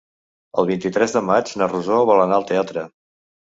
El vint-i-tres de maig na Rosó vol anar al teatre.